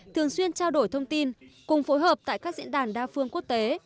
thường xuyên trao đổi thông tin cùng phối hợp tại các diễn đàn đa phương quốc tế